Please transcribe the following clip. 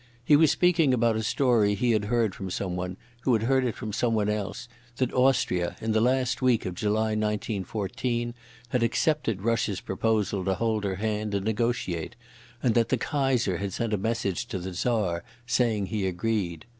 He was speaking about a story he had heard from someone, who had heard it from someone else, that Austria in the last week of July 1914 had accepted Russia's proposal to hold her hand and negotiate, and that the Kaiser had sent a message to the Tsar saying he agreed.